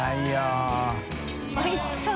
おいしそう。